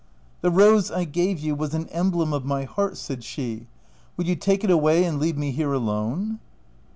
"The rose I gave you was an emblem of my heart," said she ; "would you take it away and leave me here alone